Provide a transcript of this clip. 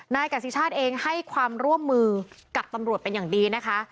กษิชาติเองให้ความร่วมมือกับตำรวจเป็นอย่างดีนะคะ